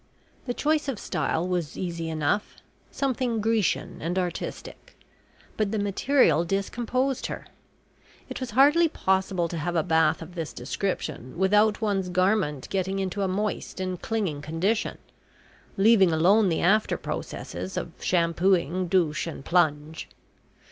The choice of style was easy enough something Grecian and artistic but the material discomposed her. It was hardly possible to have a bath of this description without one's garment getting into a moist and clinging condition leaving alone the after processes of shampooing, douche, and plunge.